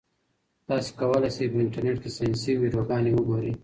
تاسي کولای شئ په انټرنيټ کې ساینسي ویډیوګانې وګورئ.